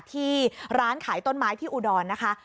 ที่ร้านขายต้นไม้ที่อุดรนะคะ